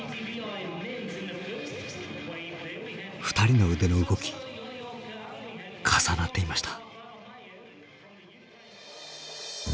２人の腕の動き重なっていました。